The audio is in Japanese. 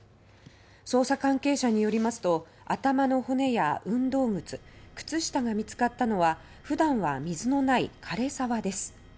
捜査関係者によりますと頭の骨や運動靴靴下が見つかったのは普段は水のない枯れ沢です。